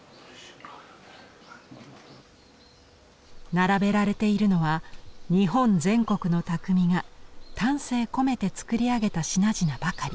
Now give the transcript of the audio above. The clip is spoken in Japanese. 並べられているのは日本全国の匠が丹精込めて作り上げた品々ばかり。